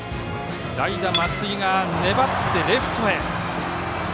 代打、松井が粘ってレフトへ。